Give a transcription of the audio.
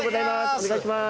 お願いします。